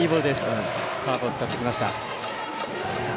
カーブを使ってきました。